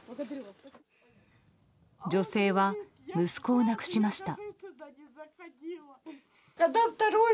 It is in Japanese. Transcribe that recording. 女性は息子を亡くしました。